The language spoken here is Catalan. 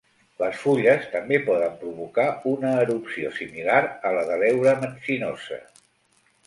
Les fulles també poden provocar una erupció similar a la de l'heura metzinosa.